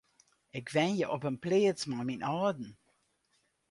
Ik wenje op in pleats mei myn âlden.